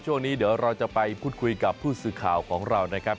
ช่วงนี้เดี๋ยวเราจะไปพูดคุยกับผู้สื่อข่าวของเรานะครับ